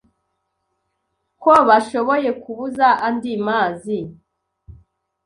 ko bashoboye kubuza andi mazi